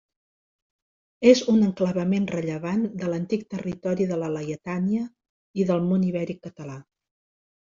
És un enclavament rellevant de l'antic territori de la Laietània i del món ibèric català.